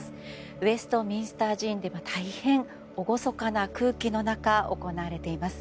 ウェストミンスター寺院では大変厳かな空気の中行われています。